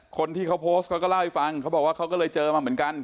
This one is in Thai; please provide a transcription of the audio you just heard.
คนที่เขาโพสต์เขาก็เล่าให้ฟังเขาบอกว่าเขาก็เลยเจอมาเหมือนกัน